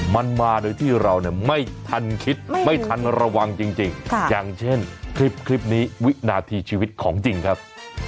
มันมาโดยที่เราเนี่ยไม่ทันคิดไม่ทันระวังจริงอย่างเช่นคลิปนี้วินาทีชีวิตของจริงครับ